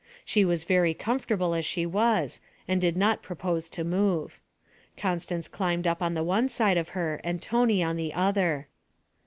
She was very comfortable as she was, and did not propose to move. Constance climbed up on one side of her and Tony on the other.